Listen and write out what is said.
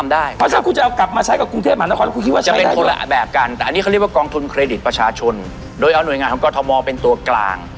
โดยเอาหน่วยงานของกลอทมเป็นตัวกลาง